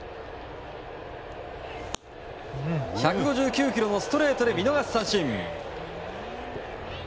１５９キロのストレートで見逃し三振。